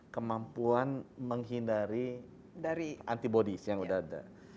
kemampuan menghindari antibodies yang udah ada